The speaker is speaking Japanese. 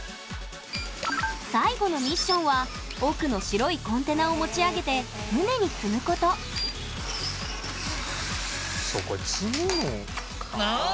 最後のミッションは奥の白いコンテナを持ち上げて船に積むことそうこれ積むのあ。